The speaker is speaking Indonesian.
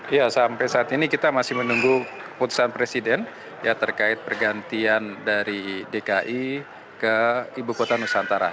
ya sampai saat ini kita masih menunggu keputusan presiden ya terkait pergantian dari dki ke ibu kota nusantara